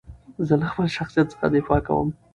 زه له خپل شخصیت څخه دفاع کوم.